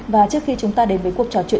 và trước khi chúng ta đến với cuộc trò chuyện